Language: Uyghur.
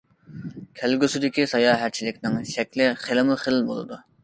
كەلگۈسىدىكى ساياھەتچىلىكنىڭ شەكلى خىلمۇ خىل بولىدۇ.